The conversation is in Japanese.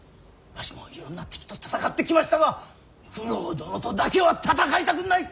わしもいろんな敵と戦ってきましたが九郎殿とだけは戦いたくない。